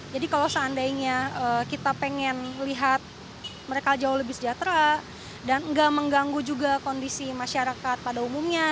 jadi kalau seandainya kita ingin melihat mereka jauh lebih sejahtera dan tidak mengganggu juga kondisi masyarakat pada umumnya